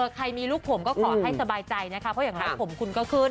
ใครมีลูกผมก็ขอให้สบายใจนะคะเพราะอย่างน้อยผมคุณก็ขึ้น